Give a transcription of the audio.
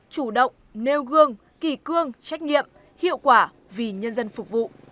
chủ động nêu gương kỳ cương trách nhiệm hiệu quả vì nhân dân phục vụ